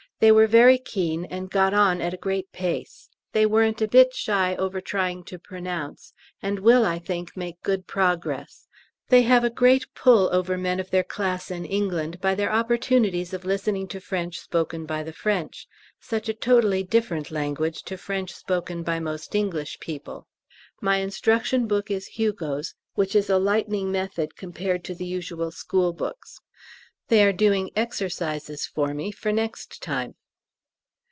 They were very keen, and got on at a great pace. They weren't a bit shy over trying to pronounce, and will I think make good progress. They have a great pull over men of their class in England, by their opportunities of listening to French spoken by the French, such a totally different language to French spoken by most English people. My instruction book is Hugo's, which is a lightning method compared to the usual school books. They are doing exercises for me for next time.